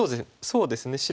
そうですね。